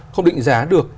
không định giá được